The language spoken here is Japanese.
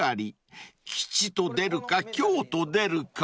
［吉と出るか凶と出るか］